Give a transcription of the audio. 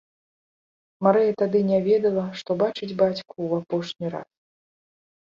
Марыя тады не ведала, што бачыць бацьку ў апошні раз.